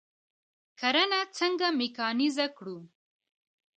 کرنه څنګه میکانیزه کړو؟